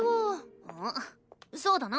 そうだな。